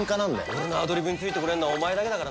「俺のアドリブについてこれんのはお前だけだからな」